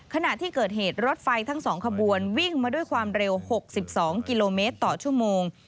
ขณะที่เกิดเหตุรถไฟทั้ง๒ขบวนวิ่งมาด้วยความเร็ว๖๒กิโลเมตรต่อชั่วโมง